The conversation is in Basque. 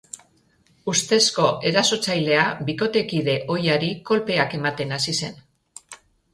Ustezko erasotzailea bikotekide ohiari kolpeak ematen hasi zen.